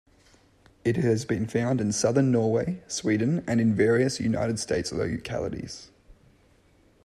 It has been found in Southern Norway, Sweden and in various United States localities.